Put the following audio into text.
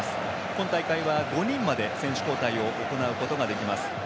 今大会は５人まで選手交代を行うことができます。